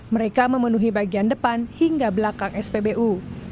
mereka memenuhi bagian depan hingga belakang spbu